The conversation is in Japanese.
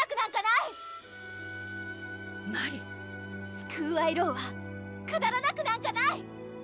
スクールアイドルはくだらなくなんかない！